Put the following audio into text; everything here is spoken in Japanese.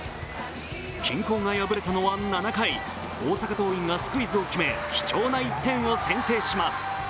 均衡が破れたのは７回、大阪桐蔭がスクイズを決め貴重な１点を先制します。